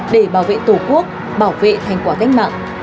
để bảo vệ tổ quốc bảo vệ thành quả cách mạng